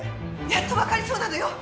やっとわかりそうなのよ。